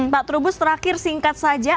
pak trubus terakhir singkat saja